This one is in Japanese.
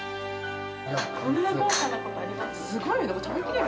こんな豪華なことある？